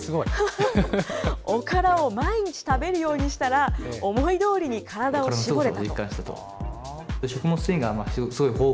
おからを毎日食べるようにしたら、思いどおりに体を絞れたと。